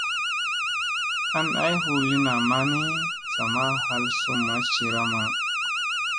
An ay huu lii namma ni sa ma hal sum ma cira maŋ.